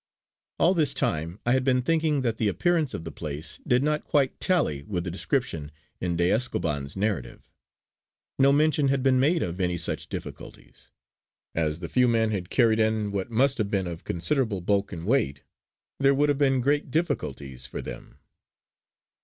All this time I had been thinking that the appearance of the place did not quite tally with the description in de Escoban's narrative. No mention had been made of any such difficulties; as the few men had carried in what must have been of considerable bulk and weight there would have been great difficulties for them.